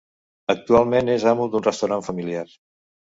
Actualment és amo d'un restaurant familiar.